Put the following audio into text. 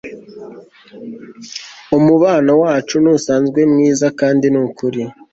umubano wacu ntusanzwe, mwiza, kandi nukuri